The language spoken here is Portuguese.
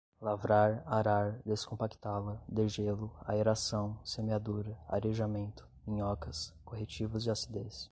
lavrar, arar, descompactá-la, degelo, aeração, semeadura, arejamento, minhocas, corretivos de acidez